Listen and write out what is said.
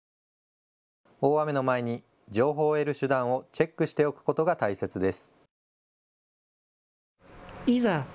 大雨の前に情報を得る手段をチェックしておくことが大切です。